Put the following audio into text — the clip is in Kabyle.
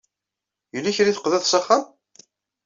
Yella kra i teqḍiḍ s axxam?